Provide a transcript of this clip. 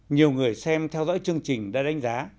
nhiều người xem theo dõi chương trình đã đánh giá